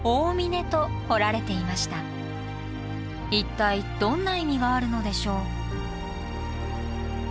一体どんな意味があるのでしょう？